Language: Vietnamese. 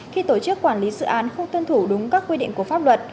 khi tổ chức quản lý dự án không tuân thủ đúng các quy định của pháp luật